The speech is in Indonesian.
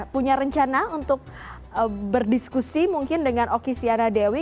punya rencana untuk berdiskusi mungkin dengan oki stiana dewi